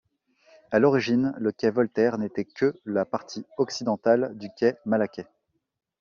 À l'origine, le quai Voltaire n'était que la partie occidentale du quai Malaquais.